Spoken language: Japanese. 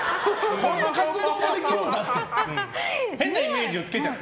こんな活動ができるんだって。